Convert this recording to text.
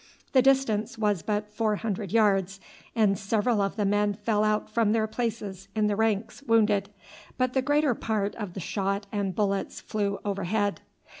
The distance was but four hundred yards, and several of the men fell out from their places in the ranks wounded, but the greater part of the shot and bullets flew overhead.